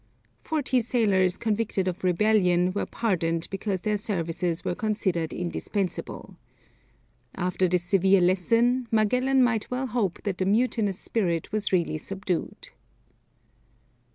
Forty sailors convicted of rebellion were pardoned because their services were considered indispensable. After this severe lesson Magellan might well hope that the mutinous spirit was really subdued.